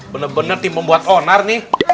bener bener tim pembuat onar nih